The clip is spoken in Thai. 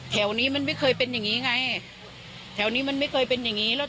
แถวนี้มันไม่เคยเป็นอย่างงี้ไงแถวนี้มันไม่เคยเป็นอย่างงี้แล้ว